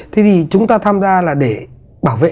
thế thì chúng ta tham gia là để bảo vệ